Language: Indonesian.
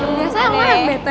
biasa emang yang bete